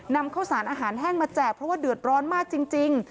นำข้าวสารอาหารแห้งมาแจกเพราะว่าเดือดร้อนมากจริง